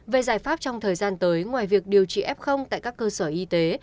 về giải pháp trong thời gian tới ngoài việc điều trị f tại các cơ sở y tế